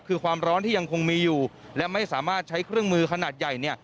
คือความร้อนที่ยังคงมีอยู่และไม่สามารถใช้เครื่องมือขนาดใหญ่